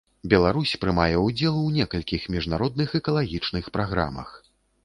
Беларусь прымае ўдзел ў некалькіх міжнародных экалагічных праграмах.